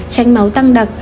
tránh máu tăng đặc